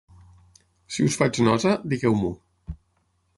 Si us faig nosa, digueu-m'ho.